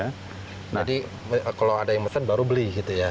jadi kalau ada yang pesan baru beli gitu ya